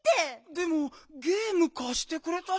でもゲームかしてくれたし。